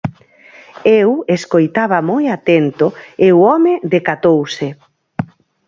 Eu escoitaba moi atento e o home decatouse.